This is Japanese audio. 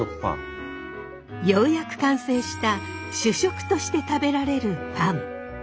ようやく完成した主食として食べられるパン。